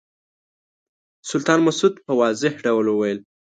سلطان مسعود په واضح ډول وویل.